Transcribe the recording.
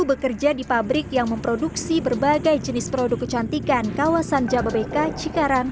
bekerja di pabrik yang memproduksi berbagai jenis produk kecantikan kawasan jababeka cikarang